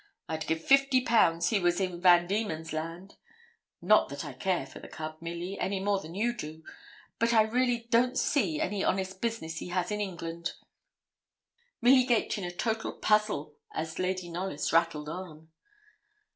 I'd give fifty pounds he was in Van Diemen's Land not that I care for the cub, Milly, any more than you do; but I really don't see any honest business he has in England.' Milly gaped in a total puzzle as Lady Knollys rattled on.